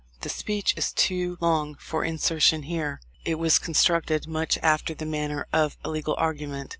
The speech is too long for insertion here. It was constructed much after the manner of a legal argument.